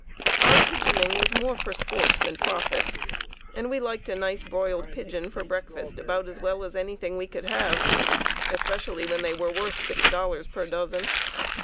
Our "pigeoning" was more for sport than profit, and we liked a nice broiled pigeon for breakfast about as well as anything we could have, especially when they were worth $6.00 per dozen.